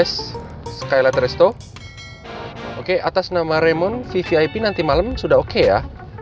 guys skylight resto oke atas nama raymond vvip nanti malem sudah oke ya